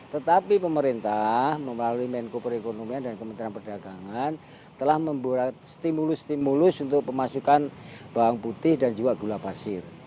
tetapi pemerintah melalui menko perekonomian dan kementerian perdagangan telah membuat stimulus stimulus untuk pemasukan bawang putih dan juga gula pasir